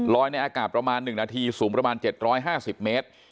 ในอากาศประมาณ๑นาทีสูงประมาณ๗๕๐เมตร